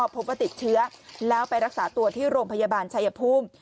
พบว่าติดเชื้อแล้วไปรักษาตัวที่โรงพยาบาลชายภูมิ